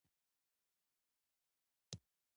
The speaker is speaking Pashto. کتاب د کایناتو پوهه درکوي.